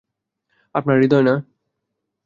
আপনার হৃদয় না।